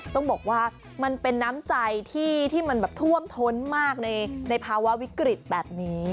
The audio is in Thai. ต้องบอกว่ามันเป็นน้ำใจที่มันแบบท่วมท้นมากในภาวะวิกฤตแบบนี้